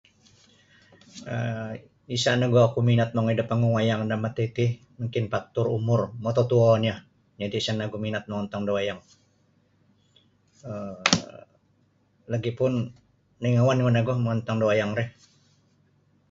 Isa nogu oku minat mongoi da panggung wayang daman titi mungkin paktor umur mototuo nio jadi isa nogu minat mongontong da wayang um lagipun na ingawan nogu da mongontong da wayang ri